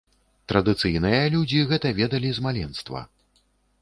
Традыцыйныя людзі гэта ведалі з маленства.